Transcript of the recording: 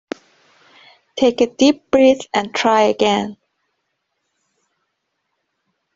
Take a deep breath and try again.